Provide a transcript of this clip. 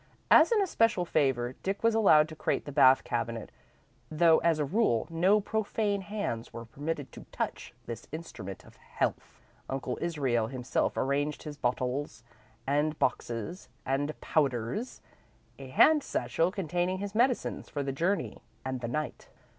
As an especial favour, Dick was allowed to crate the bath cabinet, though as a rule, no profane hands were permitted to touch this instrument of health. Uncle Israel himself arranged his bottles, and boxes, and powders; a hand satchel containing his medicines for the journey and the night.